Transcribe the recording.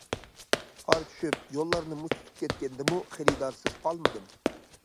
قار چۈشۈپ، يوللارنى مۇز تۇتۇپ كەتكەندىمۇ، خېرىدارسىز قالمىدىم.